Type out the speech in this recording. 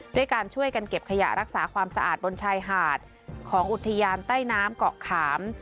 ด้วยการช่วยกันเก็บขยะรักษาความสะอาดบนชายหาดของอุทยานใต้น้ำเกาะขาม